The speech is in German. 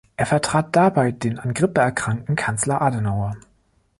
Er vertrat dabei den an Grippe erkrankten Kanzler Adenauer.